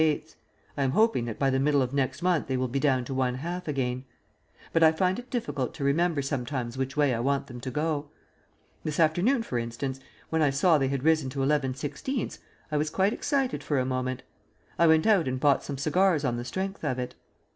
I am hoping that by the middle of next month they will be down to 1/2 again. But I find it difficult to remember sometimes which way I want them to go. This afternoon, for instance, when I saw they had risen to 11/16 I was quite excited for a moment; I went out and bought some cigars on the strength of it.